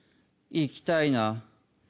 行きたいな。